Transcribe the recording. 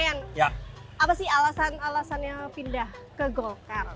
mas rian apa sih alasan alasannya pindah ke golkar